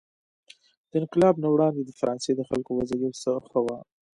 د انقلاب نه وړاندې د فرانسې د خلکو وضع یو څه ښه وه.